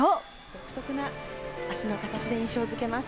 独特な足の形で印象づけます。